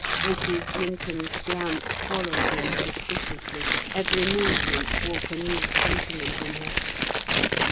Mrs. Linton's glance followed him suspiciously: every movement woke a new sentiment in her.